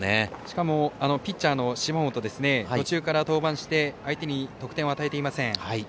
しかもピッチャーの芝本は途中から出場して相手に得点を与えていません。